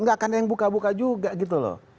nggak akan ada yang buka buka juga gitu loh